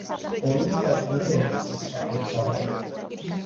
ორივე სარკმელი ოთხკუთხაა, დაბალი.